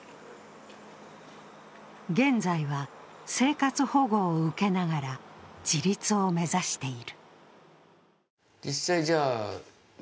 現在は生活保護を受けながら自立を目指している。